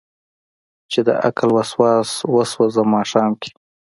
چې دعقل وسواس وسو ځم ماښام کې